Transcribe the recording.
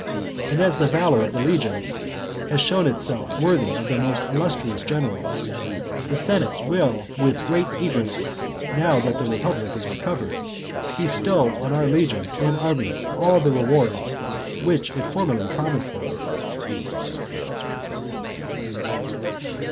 And as the valour of the legions has shown itself worthy of their most illustrious generals, the senate will with great eagerness, now that the republic is recovered, bestow on our legions and armies all the rewards which it formerly promised them.